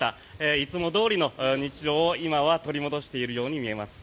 いつもどおりの日常を、今は取り戻しているように見えます。